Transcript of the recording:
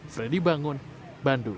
freddy bangun bandung